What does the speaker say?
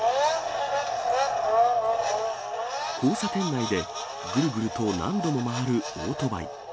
交差点内で、ぐるぐると何度も回るオートバイ。